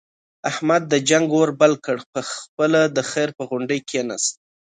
احمد د جنگ اور بل کړ، په خپله د خیر په غونډۍ کېناست.